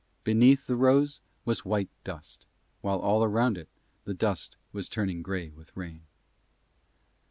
Beneath the rose was white dust, while all around it the dust was turning grey with rain.